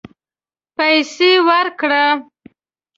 پیسې ورکړه